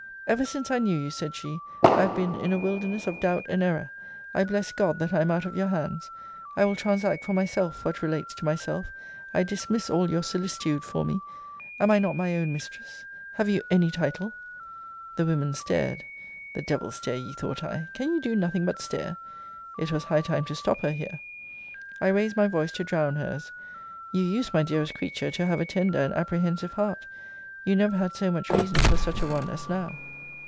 Ever since I knew you, said she, I have been in a wilderness of doubt and error. I bless God that I am out of your hands. I will transact for myself what relates to myself. I dismiss all your solicitude for me. Am I not my own mistress? Have you any title? The women stared [the devil stare ye, thought I! Can ye do nothing but stare?] It was high time to stop her here. I raised my voice to drown her's. You used, my dearest creature, to have a tender and apprehensive heart. You never had so much reason for such a one as now.